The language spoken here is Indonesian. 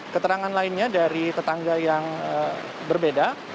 keterangan lainnya dari tetangga yang berbeda